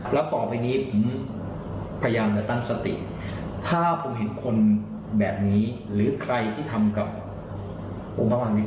แล้วต่อไปนี้ผมพยายามจะตั้งสติถ้าผมเห็นคนแบบนี้หรือใครที่ทำกับองค์ระหว่างนี้